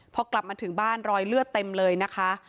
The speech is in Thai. พอกลับมาถึงบ้านรอยเลือดเต็มเลยนะคะ